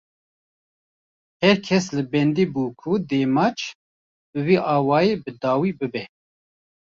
Her kes li bendê bû ku dê maç, bi vî awayî bi dawî bibe